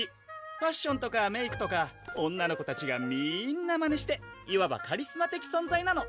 ファッションとかメークとか女の子たちがみんなマネしていわばカリスマ的存在なの！